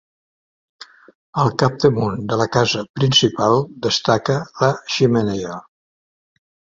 Al capdamunt de la casa principal destaca la xemeneia.